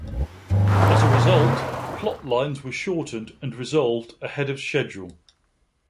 As a result, plotlines were shortened and resolved ahead of schedule.